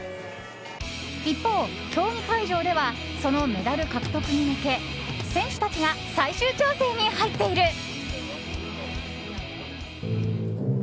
一方、競技会場ではそのメダル獲得に向け選手たちが最終調整に入っている。